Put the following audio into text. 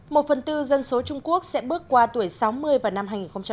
một phần tư dân số trung quốc sẽ bước qua tuổi sáu mươi vào năm hai nghìn hai mươi